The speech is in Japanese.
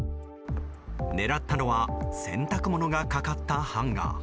狙ったのは洗濯物がかかったハンガー。